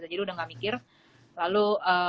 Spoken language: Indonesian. jadi udah gak mikir lalu